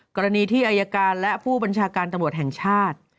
กรณีที่อายการและผู้บัญชาการตำรวจแห่งชาติ